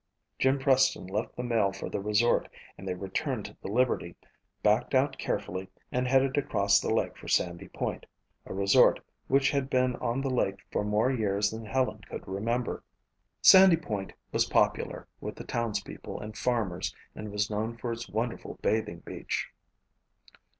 Jim Preston left the mail for the resort and they returned to the Liberty, backed out carefully, and headed across the lake for Sandy Point, a resort which had been on the lake for more years than Helen could remember. Sandy Point was popular with the townspeople and farmers and was known for its wonderful bathing beach.